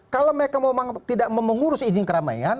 kalau mereka mau tidak mengurus izin keramaian